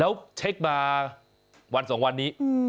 แล้วเช็คมาวันสองวันนี้